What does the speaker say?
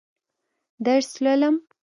درس لولم.